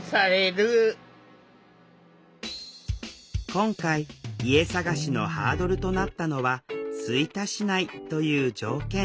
今回家探しのハードルとなったのは「吹田市内」という条件。